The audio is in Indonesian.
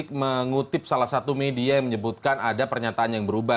saya mengutip salah satu media yang menyebutkan ada pernyataan yang berubah